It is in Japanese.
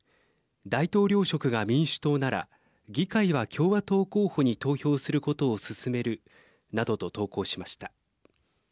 大統領職が民主党なら議会は共和党候補に投票することを勧めるなどと投稿しました。